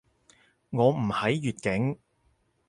我唔喺粵境